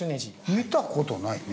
見た事ないね。